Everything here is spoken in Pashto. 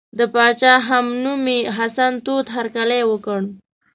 د پاچا همنومي حسن تود هرکلی وکړ.